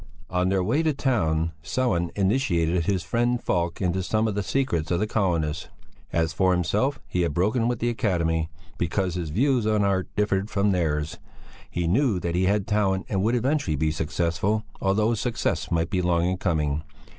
On their way to town Sellén initiated his friend Falk into some of the secrets of the colonists. As for himself, he had broken with the Academy, because his views on art differed from theirs; he knew that he had talent and would eventually be successful, although success might be long in coming.